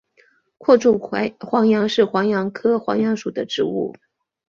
阔柱黄杨是黄杨科黄杨属的植物。